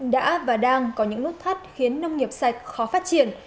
đã và đang có những nút thắt khiến nông nghiệp sạch khó phát triển